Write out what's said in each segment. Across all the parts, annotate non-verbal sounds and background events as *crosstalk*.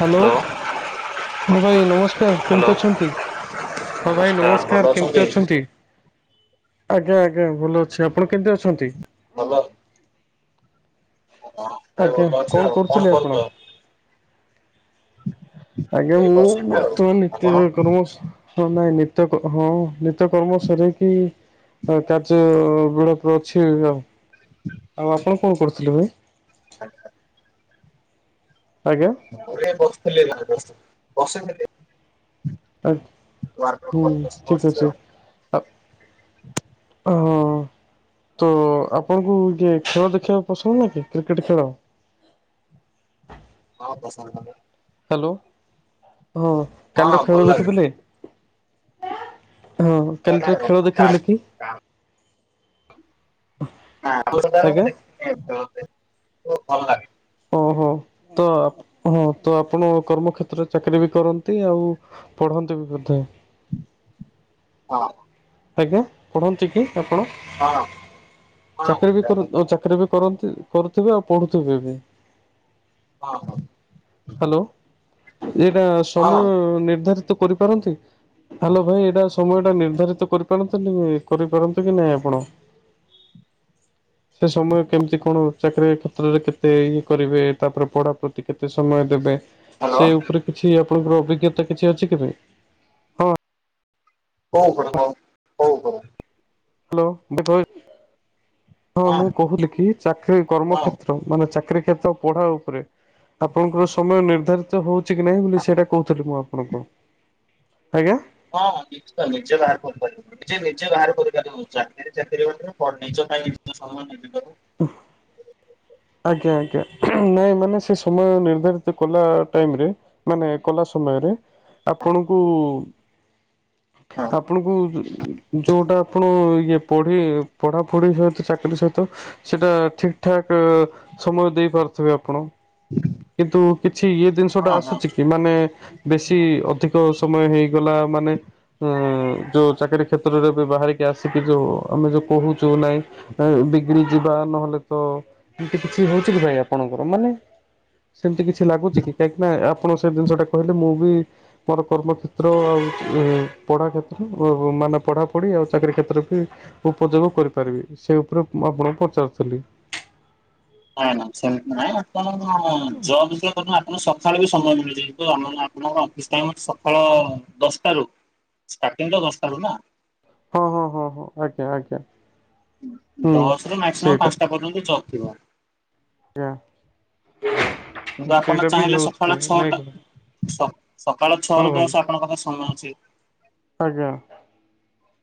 ହଁ ହ୍ୟାଲୋ ଭାଇ ନମସ୍କାର୍, ହ୍ୟାଲୋ କେମ୍ତି ଅଛନ୍ତି? ହଁ, ଭାଇ ନମସ୍କାର ଭଲ ନମସ୍କାର୍, କେମ୍ତି ଅଛନ୍ତି? ଆଜ୍ଞା ଆଜ୍ଞା, ଭଲ ଅଛି, ଆପଣ କେମ୍ତି ଅଛନ୍ତି? *inaudible* ଆରେ ଆଜ୍ଞା ଭଲ ଅଛି ଆଉ, କରୁଥିଲେ କ'ଣ ଆପଣ? କରୁଚ? ଏଇ ବସିଛି ଆଉ *inaudible* ଆପଣ? *inaudible* ଏବେ ଆଉ, ଆଉ ଆପଣ କ'ଣ କରୁଥିଲେ ଭାଇ? ଆଚ୍ଛା ଆଜ୍ଞା। *inaudible* ୱାର୍କ କରି ବସିଛି ଆଉ। *inaudible* *inaudible* ତ ଆପଣଙ୍କୁ ଖେଳ ଦେଖିବାକୁ ପସନ୍ଦ୍ ନୁହେଁକି? କ୍ରିକେଟ୍ ଖେଳ। *inaudible* ହାଲୋ, ହଁ କାଲିର ଭଲ ଖେଳ ଲାଗେ ଦେଖିଥିଲେ? ହଁ, ଭଲ ଲାଗେ କାଲି ହଁ ହଁ ଖେଳ ଦେଖିଥିଲେ କି? ଆଜ୍ଞା *unintelligible* ହଁ, ତ ଆପଣ କର୍ମକ୍ଷେତ୍ରରେ ଚାକିରୀ ବି କରନ୍ତି। ଆଉ ପଢ଼ନ୍ତି ବି ବଧେ। *inaudible* ଆଜ୍ଞା, ପଢ଼ନ୍ତି କି ଆପଣ? ଚାକିରୀ ବି କର କରନ୍ତି, କରୁଥିବେ ଆଉ ପଢୁଥିବେ ବି। *inaudible* ହାଲୋ, ଏଟା ସମୟ ହଁ ନିର୍ଦ୍ଧାରି କରିପାରନ୍ତି, ଭାଇ ଏଟା ସମୟଟା ନିର୍ଦ୍ଧାରିତ କରି ପାରନ୍ତି ନି, କରି ପାରନ୍ତି କି ନାହିଁ ଆପଣ? ସେ ସମୟ କେମ୍ତି କ'ଣ? ଚାକିରୀ କ୍ଷେତ୍ରରେ କେତେ ଇଏ କରିବେ, ତା'ପରେ ପଢ଼ା ପ୍ରତି କେତେ ସମୟ ଦେବେ? ହ୍ୟାଲୋ ସେ ଉପ୍ରେ କିଛି ଆପଣଙ୍କର ଅଭିଜ୍ଞତା କିଛି ଅଛି କେବେ? ହଁ ହଉ ହଣ ହ ହ୍ୟାଲୋ ହଁ ମୁଁ କହୁଥିଲି କି ଚାକିର କର୍ମ ହଁ। କ୍ଷେତ୍ର। ମାନେ ଚାକିରୀ କ୍ଷେତ୍ର ପଢା ଉପରେ ଆପଣଙ୍କର ସମୟ ନିର୍ଦ୍ଧାରି ହଉଛି କି ନାଇଁ ବୋଲି ସେଇଟା କହୁଥିଲି ମୁଁ ଆପଣଙ୍କୁ ଆଜ୍ଞା। ହଁ ନିଶ୍ଚ ନିଜ ବାହାର କରିପାରିବ। ନିଜେ ନିଜେ ବାହାରେ କରିପାରିବ ଚାକିରି ଚାକିରି ବାଟରେ ନିଜ ପାଇଁ ନିଜ ସମୟ ନି ଓଃ ଆଜ୍ଞା ଆଜ୍ଞା ନାଇଁ ମାନେ ସେ ସମୟ ନିର୍ଦ୍ଧାରିତ କଲା ଟାଇମ ରେ ମାନେ କଲା ସମୟରେ ଆପଣଙ୍କୁ ହଁ ଆପଣଙ୍କୁ ଯୋଉଟା ଆପଣ ଇଏ ପଢି ପଢାପଢି ସହିତ ଚାକିରି ସହିତ ସେଇଟା ଠିକ ଠାକ୍ ସମୟ ଦେଇ ପାରୁଥିବେ ଆପଣ କିନ୍ତୁ କିଛି ଇଏ ଜିନିଷ ଟା ହଁ ହଁ। ଆସୁଛି କି ମାନେ? ମାନେ ବେଶୀ ଅଧିକ ସମୟ ହେଇଗଲା ମାନେ ଯୋଉ ଚାକିରୀ କ୍ଷେତ୍ରରେ ବି ବାହାରିକି ଆସିକି ଯୋଉ ଆମେ ଯୋଉ କହୁଛୁ ନାହିଁ ବିଗଡି ଯିବା ନହେଲେ ତ ଏମତି କିଛି ହଉଛି କି ଭାଇ ଆପଣଙ୍କର ମାନେ ସେମତି କିଛି ଲାଗୁଛି କି କାହିଁକି ନା? ଆପଣ ସେ ଜିନିଷଟା କହିଲେ ମୁଁ ବି ମୋର କର୍ମକ୍ଷେତ୍ର ଆଉ ପଢ଼ା କ୍ଷେତ୍ର ମାନେ ପଢ଼ାପଢ଼ି ଆଉ ଚାକିରୀ କ୍ଷେତ୍ର ବି ଉପଯୋଗ କରିପାରିବି ସେଇ ଉପରେ ମୁଁ ଆପଣଙ୍କୁ ପଚାରୁଥିଲି? ନଁ ନା ସେ୍ପ ନହିଁ ଜବ୍ କରୁନୁ ଆପଣ ସକାଳୁ ବି ସମୟ ମିଳୁଛି ଆପଣଙ୍କ ଅଫିସ ଟାଇମ ଅଛି ସକାଳ ଦଶଟା ରୁ ଷ୍ଟାର୍ଟିଂ ଦଶାରୁ ନା। ହଁ ହଁ ହଁ ହଁ ଆଜ୍ଞା ଆଜ୍ଞା। ହୁଁ ଦଶ ରୁ ମାକ୍ସିମମ୍ ସେଇଟା ପାଞ୍ଚଟା ପର୍ଯ୍ୟନ୍ତ ଜବ ଥିବ। ଆ କିନ୍ତୁ ଆପଣ ଚାହିଁଲେ ସକାଳ ଛଅଟା ସକାଳ ଛଅ ହଁ ରୁ ଭାଇ ଦଶ ଆପଣଙ୍କ ପାଖରେ ସମୟ ଅଛି। ଆଜ୍ଞା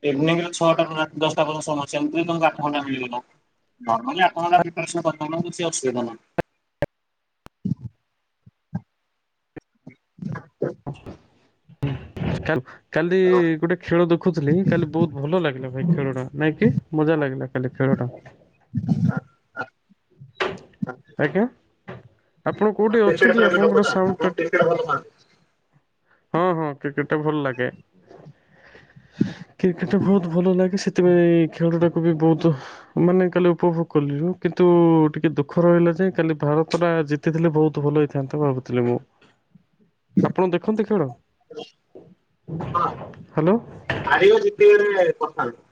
ଇଭିନିଂ ର ଛଅଟା ର ରାତି ଦଶଟା ପର୍ଯ୍ୟନ୍ତ ସମୟ ସେମିତି ତମକୁ ଆଠ ଘଣ୍ଟା ମିଳିବତ। ନର୍ମାଲି ଆପଣ ଗୋଟେ ପ୍ରିପେୟରସନ କରିଦଉନାହାନ୍ତି କିଛି ଅସୁବିଧା ନାହିଁ। କଲ *unintelligible* କାଲି ଗୋଟେ ଖେଳ ଦେଖୁଥିଲି କାଲି ବହୁତ ଭଲ ଲାଗିଲା ଭାଇ ଖେଳ ଟା ନାଇଁ କିି ମଜା ଲାଗିଲା କାଲି ଖେଳ ଟା। *unintelligible* ଆଜ୍ଞା ଆପଣ ଆପଣ କୋଉଠି କ୍ରିକେଟ ଅଛନ୍ତି ପ୍ରେମୀ ଆପଣଙ୍କର ଲୋକଟା ଆପଣ ସାଉଣ୍ଡ ଟା କ୍ରିକେଟ ଭଲ ପାଆନ୍ତି ହଁ ହଁ କ୍ରିକେଟ ଟା ଭଲ ଲାଗେ କ୍ରିକେଟ ଟା ବହୁତ ଭଲ ଲାଗେ ସେ ସେଥିପାଇଁ ଖେଳଟାକୁ ବି ବହୁତ ମାନେ କାଲି ଉପଭୋଗ କଲିୁ କିନ୍ତୁ ଟିକେ ଦୁଃଖ ଦୁଃଖ ରହିଲା ଯେ କାଲି ଭାରତଟା ଜିତିଥିଲେ ବହୁତ ଭଲ ହେଇଥାନ୍ତା ଭାବୁଥିଲି ମୁଁ। ଆପଣ ଦେଖନ୍ତି ଖେଳ? ହଁ ହ୍ୟାଲୋ ହାରିବ ଜିତିବାରେ ପ *unintelligible* ଥାନ୍ତ।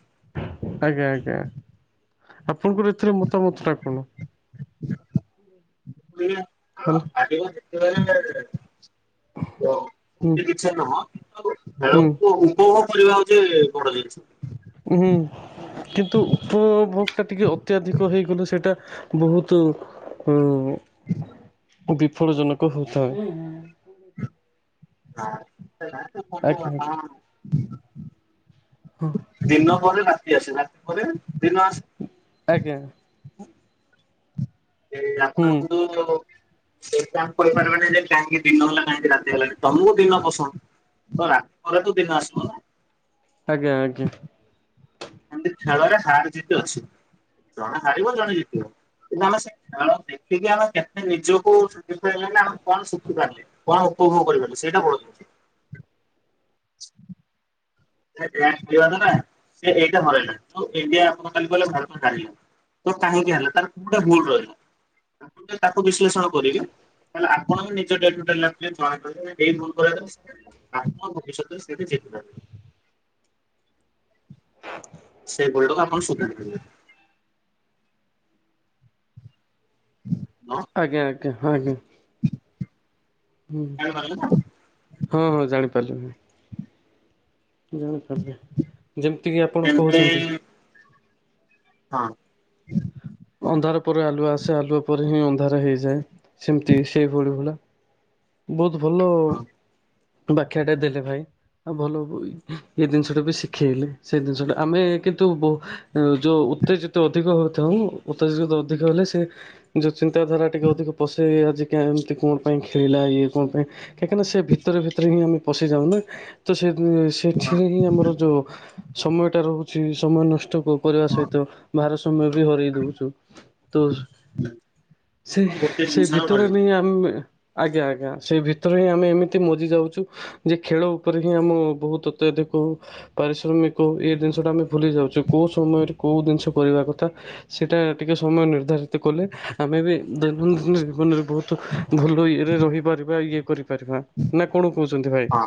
ଆଜ୍ଞା ଆଜ୍ଞା ଆପଣଙ୍କର ଏଥିରେ ମତାମତ ଟା କଣ? ହ୍ୟାଲୋ ହାରିବା ଜିତିବାରେ *unintelligible* ହୁଁ ଛ ନୁହଁ କି ଖେଳକୁ ହୁଁ ଉପଭୋଗ କରିବା ହଉଛି ବଡ ଜିନିଷ। ହୁଁ। କିନ୍ତୁ ଉପଭୋଗ ଟା ଟିକେ ଅତ୍ୟାଧିକ ହେଇଗଲେ ସେଇଟା ବହୁତ ହୁଁ। ବିଫଳଜନକ ହେଉଥାଏ। ହଁ *unintelligible* ଆଜ୍ଞା ସେ। *unintelligible* ହଁ। ଦିନ ପରେ ରାତି ଆସେ ରାତି ପରେ ଦିନ ଆସେ। ଆଜ୍ଞା। *unintelligible* ହୁଁ ଆପଣୁ। *unintelligible* ସେଟ ଆମ କହିପାରିବାନି ଯେ କାହିଁକି ଦିନ ହେଲା କାହିଁକି ରାତି ହେଲାଣି? ତମକୁ ଦିନ ପସନ୍ଦ। ତ ରାତି ପରେ ତୁ ଦିନ ଆସିବ ନା। ଆଜ୍ଞା ଆଜ୍ଞା। ଏମତି ଖେଳରେ ହାର ଜିତି ଅଛି। ଜଣେ ହାରିବ ଜଣେ ଜିତିବ। କିନ୍ତୁ ଆମେ ସେ ଖେଳ ଦେଖିକି ଆମେ କେତେ ନିଜକୁ ଶିଖିପାରିଲାନ ଆମେ କଣ ଶିଖିପାରିଲେ? କଣ ଉପଭୋଗ କରିପାରଲେ? ସେଇଟା ବଡ କଥା। *inaudible* *unintelligible* ତ କାହିଁକି ହେଲା ତାର କୋଉ ଗଟେ ଭୁଲ ରହିଲା। ଆପ ତାକୁ ବିଶ୍ଳେଷଣ କରିବେ? ତାଲେ ଆପଣ ବି ନିଜ ଜଣାେ ଏଇ ଭୁଲ କର ଆତ୍ମ ଭବିଷ୍ୟତରେ ସେଥିରେ ଜ। *unintelligible* *inaudible* ସେ ଭୁଲ ଟାକୁ ଆପଣ ସୁଧାରନ୍ତୁ। *inaudible* ଆଜ୍ଞା ଆଜ୍ଞା ହ ଆଜ୍ଞା। ହୁଁ ହଁ ହଁ ଜାଣିପାରିଲି ମୁଁ। ଜାଣିପାରିଲି ଯେମିତିକି ଆପଣ ଏମିତି କହୁଛନ୍ତି। ହଁ। ହଁ ଅନ୍ଧାର ପରେ ଆଲୁଆ ଆସେ ଆଲୁଆ ପରେ ହିଁ ଅନ୍ଧାର ହେଇଯାଏ। ସେମତି ସେଇଭଳି ଭଳି ବହୁତ ଭଲ ହଁ ବାଖ୍ୟାଟା ଦେଲେ ଭାଇ। ଆଉ ଭଲ ହବ ଏଇ ଜିନିଷଟା ବି ଶିଖେଇଲେ। ସେ ଜିନିଷଟା ଆମେ କିନ୍ତୁ ଯୋଉ ଉତ୍ତେଜିତ ଅଧିକ ହଉଥାଉ ଉତ୍ତେଜିତ ଅଧିକ ହେଲେ ସେ ଯେଉଁ ଚିନ୍ତାଧାରା ଟିକେ ଅଧିକ ପଶେଇ ଆଜିକା ଏମିତି କଣ ପାଇଁ? ଖେଳିଲା ଇଏ କଣ ପାଇଁ କାହିଁକିନା ସେ ଭିତରେ ଭିତରେ ହିଁ ଆମେ ପଶିଯାଉ ନା। ତ ସେ ସେ ହଁ। ସେଥିରେ ହିଁ ଆମର ଯଉ ସମୟଟା ରହୁଛି ସମୟ ନଷ୍ଟ କ କରିବା ହଁ ହଁ ସହିତ ବାହାର ସମୟ ବି ହରଇ ଦଉଛୁ ତ ସେ ଗୋଟେ ସେ ଜିନିଷ ଭିତରେ ବି ରହିଗଲା ଆମେ ଆଜ୍ଞା ଆଜ୍ଞା ସେଇ ଭିତରେ ହିଁ ଆମେ ଏମିତି ମଜି ଯାଉଛୁ। ଯେ ଖେଳ ଉପରେ ହିଁ ଆମ ବହୁତ ଅତ୍ୟଧିକ। ପାରିଶ୍ରମିକ ଏଇ ଜିନିଷ ଟା ଆମେ ଭୁଲି ଯାଉଛୁ। କୋଉ ସମୟରେ କୋଉ ଜିନିଷ କରିବା କଥା। ସେଇଟା ଟିକେ ସମୟ ନିର୍ଦ୍ଧାରିତ କଲେ ଆମେ ବି ଦୈନନ୍ଦିନ ଜୀବନରେ। *unintelligible* ବହୁତ ଭଲ ଇଏରେ ରହିପାରିବା ଇଏ କରିପାରିବା ନା କଣ କହୁଛନ୍ତି ଭାଇ? ହଁ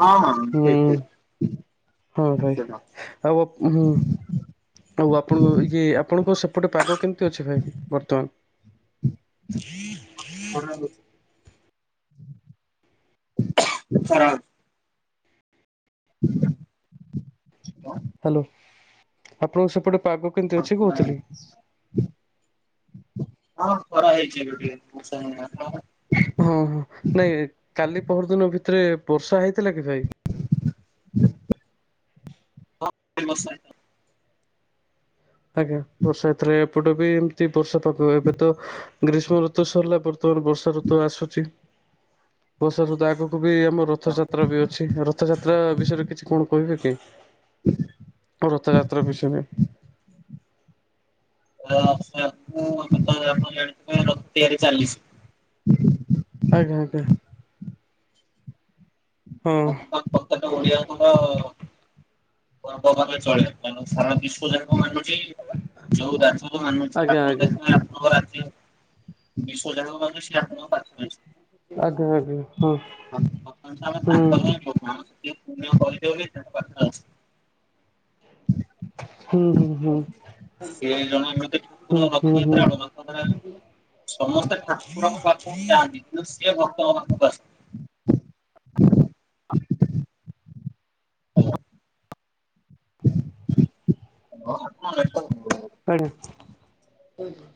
ହଁ ହଁ ଠିକ ହୁଁ ଠିକ ହଁ ଭାଇ ନିଶ୍ଚିତ। ଆଉ ହୁଁ। ଆଉ ଆପଣଙ୍କ ଇଏ ଆପଣଙ୍କ ସେପଟେ ପାଗ କେମିତି ଅଛି ଭାଇ କି ବର୍ତ୍ତମାନ? *inaudible* ଖରା *inaudible* ଆପଣଙ୍କୁ ସେପଟେ ପାଗ କେମିତି ଅଛି କହୁଥିଲି। ହଁ ଖରା ହେଇଛି ଏବେ ଟିକେ ଆପଣଙ୍କ ଆଡେ? ହଁ ହଁ ନାଇଁ କାଲି ପହର ଦିନ ଭିତରେ ବର୍ଷା ହେଇଥିଲା କି ଭାଇ? ହଁ ବର୍ଷା ହେଇଥିଲା। ଆଜ୍ଞା ବର୍ଷା ଏଥିରେ ଏପଟ ବି ଏମତି ବର୍ଷା ପାଗ ଏବେ ତ ଗ୍ରୀଷ୍ମ ଋତୁ ସରିଲା ବର୍ତ୍ତମାନ ବର୍ଷା ଋତୁ ଆସୁଛି। ବର୍ଷା ଋତୁ ଆଗକୁ ବି ଆମ ରଥଯାତ୍ରା ବି ଅଛି ରଥଯାତ୍ରା ବିଷୟରେ କିଛି କଣ କହିବେ କି? ରଥଯାତ୍ରା ପିଛରେ ର ତ ଏ ବିଷୟରେ ଆପଣ ଜାଣିଥିଲେ ରଥ ତିଆରି ଚାଲିଛି। ଆଜ୍ଞା ଆଜ୍ଞା। ହଁ। ସେଟ ଓଡିଆଙ୍କର ପର୍ବ ଭାରେ ଚଳେ ତେଣୁ ସାରା ବିଶ୍ୱ ଯାକ ମାନୁଛି ଯୋଉ ରାଜ୍ୟ ମୁଁ ମାନୁଛି ଆଜ୍ଞା ଆପଣ ଆଜ୍ଞା। ଦେଖିବେ ଆପଣଙ୍କ ରାତିରେ *inaudible* ସେ ଆପଣଙ୍କ ପାଖରେ। ଆଜ୍ଞା ଆଜ୍ଞା। ହଁ ପ୍ରଥମେ ତ ଆମେ ହୁଁ ତାଙ୍କ *unintelligible* ପୁନ୍ୟ କରିଛୁ ବୋଲି ସେ ପାଖରେ ହୁଁ ଅଛି। ହୁଁ ହୁଁ ସେ ଜଣେ ଏମିତି ହୁଁ ଠାକୁର ହୁଁ ହୁଁ। ରଥଯାତ୍ରା *unintelligible* ପ୍ରକୃତରେ ସମସ୍ତେ ଠାକୁରଙ୍କ ପାଖକୁ ଯାଆନ୍ତି କିନ୍ତୁ ସିଏ ଭକ୍ତଙ୍କ ପାଖକୁ ଆସନ୍ତି। *unintelligible* ଆଜ୍ଞା *unintelligible*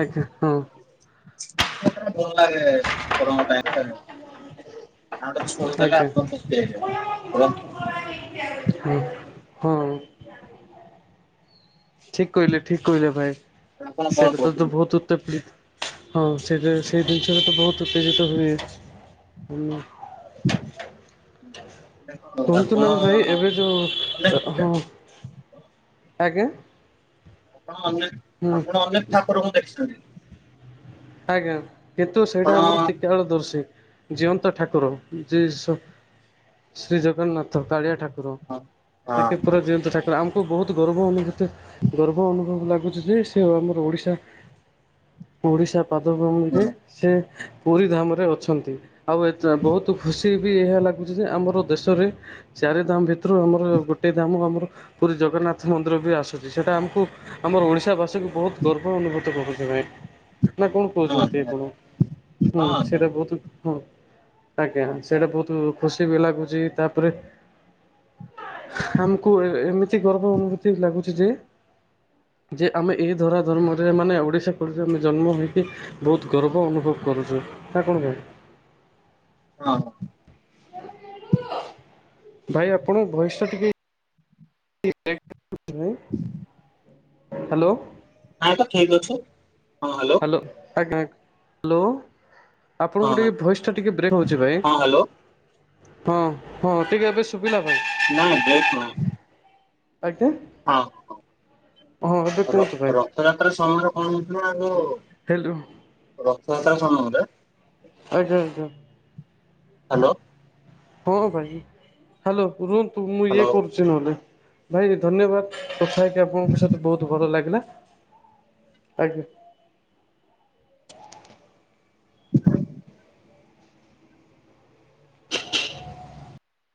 ଆଜ୍ଞା ହଁ। ରଥଯାତ୍ରା ଟା ଭଲ ଲଗେ ଠାକୁରଙ୍କ ଟାଇମ୍ ରେ। ତାଙ୍କୁ ଟିକେ ଛୁଇଁ ଦେଲେ ଆଜ୍ଞା ଆତ୍ମା ତୃପ୍ତି ହେଇଯାଏ *unintelligible* ହଁ ହଁ। ଠିକ୍ କହିଲେ ଠିକ୍ କହିଲେ ଭାଇ ଆପଣ କଣ ସେତ କରୁଛନ୍ତି? ତୁତ ବହୁତ୍ ତୁପ୍ତତିପ୍। ହଁ ସେଇଟା ସେଇ ଜିନିଷଟା ତ ବହୁତ୍ ଉତ୍ତେଜିତ ହୁଏ ଆମେ *unintelligible* କୁହନ୍ତୁ ଆପଣ ନାଁ ଭାଇ ଏବେ ଯୋଉ ଅନେକ ଅ ପୂଜା ହଁ ଆଜ୍ଞା। ଆପଣ ଅନେକ ହୁଁ ଆପଣ ଅନେକ ଠାକୁରଙ୍କୁ ଦେଖିଛନ୍ତି ଆଜ୍ଞା କିନ୍ତୁ ଆପଣ ସେଇଟା ଆମର ତ୍ରିକାଳ ଦର୍ଶି। ଜିଅନ୍ତା ଠାକୁର ଯେ ସ ଶ୍ରୀ ଜଗନ୍ନାଥ। ଥ କାଳିଆ ଠାକୁର ହଁ ହଁ ତାଙ୍କେ ହଁ ପୁରା ଜଅନ୍ତା ଠା ତ ଆମକୁ ବହୁତ୍ ଗର୍ବ ଅନୁଭୂତି ଗର୍ବ ଅନୁଭବ ଲାଗୁଛି ଯେ ସେ ଆମର ଓଡ଼ିଶା ଓଡିଶା ପାଦ ଭୂମିରେ ସେ ପୁରୀ ଧାମରେ ଅଛନ୍ତି ଆଉ ଏ ତ ବହୁତ୍ ଖୁସି ବି ଏହା ଲାଗୁଛି ଯେ ଆମର ଦେଶରେ ଚାରି ଧାମ ଭିତରୁ ଆମର ଗୋଟେ ଧାମ ଆମର ପୁରୀ ଜଗନ୍ନାଥ ମନ୍ଦିର ବି ଆସୁଛି ସେଟା ଆମୁକୁ ଆମର ଓଡ଼ିଶା ବାସୀକୁ ବହୁତ୍ ଗର୍ବ ଅନୁଭୂତ କରୁଥିବେ। ନାଁ କଣ ହଁ କହୁଛନ୍ତି ଆପଣ ହୁଁ ସେଇଟା ବହୁତ୍ ହୁଁ ଆଜ୍ଞା ସେଇଟା ବହୁତ୍ ଖୁସି ବି ଲାଗୁଛି ତାପରେ ଆମକୁ ଏ ଏମିତି ଗର୍ବ ଅନୁଭୂତି ଲାଗୁଛି ଯେ ଯେ ଆମେ ଏଇ ଧରା ଧର୍ମରେ ମାନେ ଓଡ଼ିଶା ଫୋଡ଼ିଶା ଆମେ ଜନ୍ମ ହୋଇ କି ବହୁତ୍ ଗର୍ବ ଅନୁଭବ କରୁଛୁ ନା କଣ ଭାଇ? ହଁ। ଭାଇ ଆପଣଙ୍କ ଭଏସ ଟା ଟିକେ *unintelligible* ହାଲୋ। ନାଇଁ ତ ଠିକ୍ ଅଛି ହଁ ହାଲୋ। ଆଜ୍ଞା ଆଜ୍ଞା ହାଲୋ। ହଁ ଆପଣଙ୍କୁ ହଁ ଟିକେ ଭଏସ୍ ଟା ଟିକେ ବ୍ରେକ୍ ହଉଛି ଭାଇ। ହଁ ହ୍ୟାଲୋ ହଁ ହଁ ଟିକେ ଏବେ ଶୁବିଲା ଭାଇ। ନାଁ ବ୍ରେକ ନୁହଁ। ଆଜ୍ଞା। ହଁ ଏବେ ହଁ। ର କୁହନ୍ତୁ ଭାଇ ରଥଯାତ୍ରା ସମୟରେ କଣ ହଉଚିନା ଯୋ। ହ୍ୟାଲୋ ରଥଯାତ୍ରା ସମୟରେ। ଆଜ୍ଞା ଆଜ୍ଞା। ହାଲୋ। ହଁ ଭାଇ ହାଲୋ ରୁହନ୍ତୁ ମୁଁ ଇଏ ହ୍ୟାଲୋ କରୁଛି ନହେଲେ ଭାଇ ଧନ୍ୟବାଦ। କଥା ହେ କି ଆପଣଙ୍କ ସହିତ ବହୁତ୍ ଭଲ ଲାଗିଲା ଆଜ୍ଞା। *inaudible*